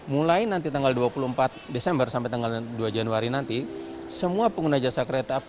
mulai nanti tanggal dua puluh empat desember sampai tanggal dua januari nanti semua pengguna jasa kereta api